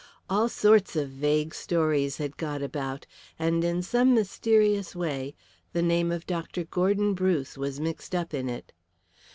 All sorts of vague stories had got about, and in some mysterious way the name of Dr. Gordon Bruce was mixed up in it.